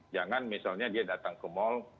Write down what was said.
jangan misalnya dia datang ke mal